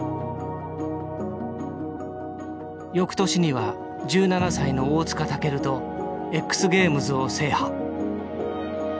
翌年には１７歳の大塚健とＸゲームズを制覇。